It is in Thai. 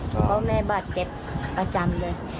พ่อแม่บาดเจ็บอาจารย์เลย